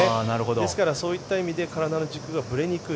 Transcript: ですからそういった意味で体の軸がぶれにくい。